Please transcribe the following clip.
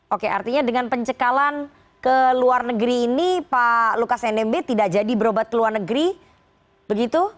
oke artinya dengan pencekalan ke luar negeri ini pak lukas nmb tidak jadi berobat ke luar negeri begitu